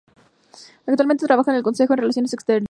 Actualmente trabaja en el Consejo en Relaciones Extranjeras.